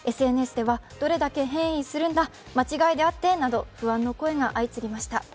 ＳＮＳでは、どれだけ変異するんだ、間違いであって、など不安の声が相次ぎました。